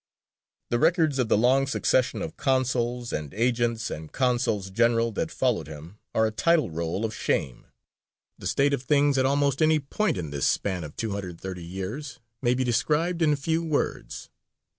The records of the long succession of consuls, and agents, and consuls general, that followed him are a title roll of shame. The state of things at almost any point in this span of two hundred and thirty years may be described in few words.